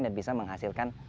dan bisa menghasilkan